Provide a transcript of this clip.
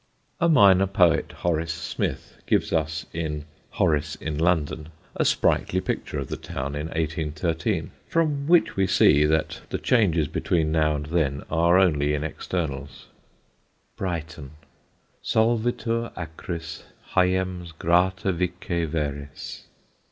[Sidenote: HORACE SMITH] A minor poet, Horace Smith, gives us, in Horace in London, a sprightly picture of the town in 1813, from which we see that the changes between now and then are only in externals: BRIGHTON. _Solvitur acris hyems gratâ vice veris.